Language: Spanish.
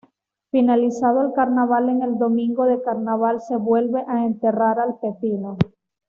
Finalizado el carnaval en el domingo de carnaval se vuelve a enterrar al pepino